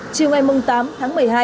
trên ngoài mông tám tháng một mươi hai